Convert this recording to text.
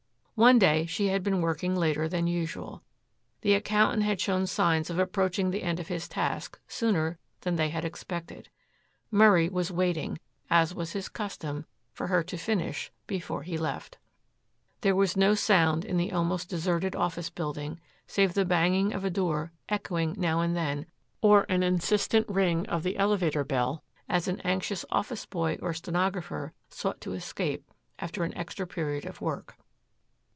One day she had been working later than usual. The accountant had shown signs of approaching the end of his task sooner than they had expected. Murray was waiting, as was his custom, for her to finish before he left. There was no sound in the almost deserted office building save the banging of a door echoing now and then, or an insistent ring of the elevator bell as an anxious office boy or stenographer sought to escape after an extra period of work.